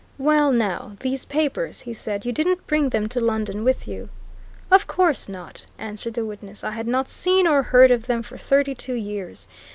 "Well, now, these papers?" he said. "You didn't bring them to London with you?" "Of course not!" answered the witness. "I had not seen or heard of them for thirty two years!